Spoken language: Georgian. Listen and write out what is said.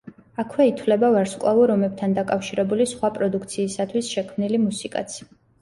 აქვე ითვლება „ვარსკვლავურ ომებთან“ დაკავშირებული სხვა პროდუქციისათვის შექმნილი მუსიკაც.